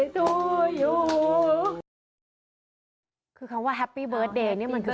ก็คือคำว่าแปลตรงตัวคือสุขสรรค์